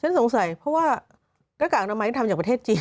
สงสัยเพราะว่าหน้ากากอนามัยทำจากประเทศจีน